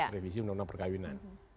revisi undang undang perkawinan